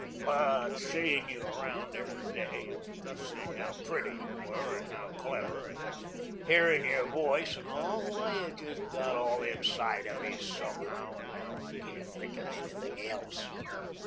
But seeing you around every day, and seeing how pretty you were, and how clever, and hearing your voice and all, why, it just got all inside of me somehow, and now I can't think of anything else.